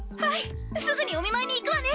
すぐにお見舞いに行くわね！